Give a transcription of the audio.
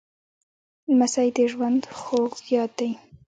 لمسی د ژوند خوږ یاد دی.